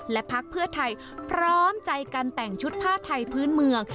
และพักเพื่อไทยพร้อมใจกันแต่งชุดผ้าไทยพื้นเมือง